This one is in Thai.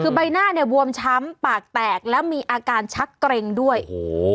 คือใบหน้าเนี่ยบวมช้ำปากแตกแล้วมีอาการชักเกร็งด้วยโอ้โห